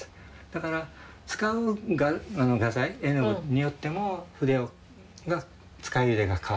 だから使う画材絵の具によっても筆が使い入れが変わる。